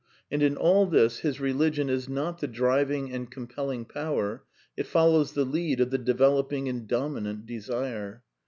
And in all this his religion is not the driving and compelling power ; it follows the lead of the developing and dominant desire.